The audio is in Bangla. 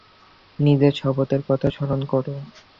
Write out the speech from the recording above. নিজের শপথের কথা স্মরণ করো।